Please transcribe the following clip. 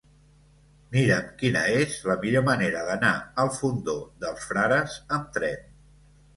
Mira'm quina és la millor manera d'anar al Fondó dels Frares amb tren.